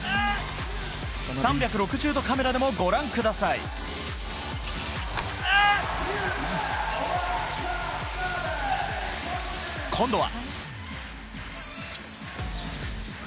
３６０度カメラでもご覧ください。今度は。